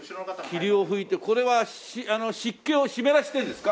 霧を吹いてこれは湿気を湿らせてるんですか？